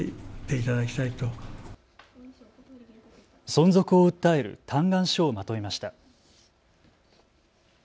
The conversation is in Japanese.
存続を訴える嘆願書をまとめました。